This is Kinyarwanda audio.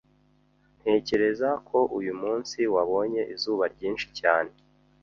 Ntekereza ko uyu munsi wabonye izuba ryinshi cyane.